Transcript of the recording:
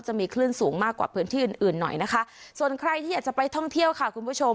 จะมีคลื่นสูงมากกว่าพื้นที่อื่นอื่นหน่อยนะคะส่วนใครที่อยากจะไปท่องเที่ยวค่ะคุณผู้ชม